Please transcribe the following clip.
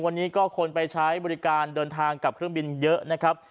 วันนี้ก็คนไปใช้บริการเดินทางกับเครื่องบินเยอะนะครับ